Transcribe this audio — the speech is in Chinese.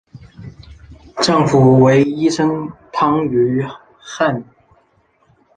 丈夫为医生汤于翰。